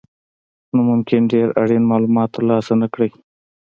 نو ممکن ډېر اړین مالومات ترلاسه نه کړئ.